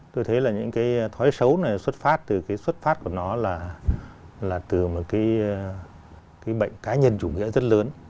tôi thấy là những cái thói xấu này xuất phát từ cái xuất phát của nó là từ một cái bệnh cá nhân chủ nghĩa rất lớn